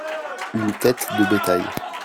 Une tête de bétail.